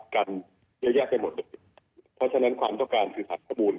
กันยากไปหมดเพราะฉะนั้นความต้องการสื่อสารประมูล